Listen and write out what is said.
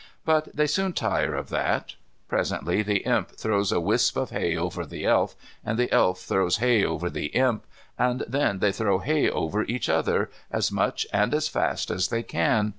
But they soon tire of that. Presently the Imp throws a wisp of hay over the Elf, and the Elf throws hay over the Imp, and then they throw hay over each other, as much and as fast as they can.